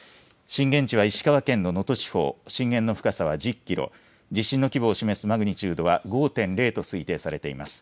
震源地は石川県の能登地方、震源の深さは１０キロ、地震の規模を示すマグニチュードは５．０と推定されています。